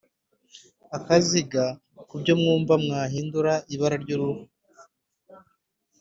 Akaziga ku byo wumva wahindura ibara ry uruhu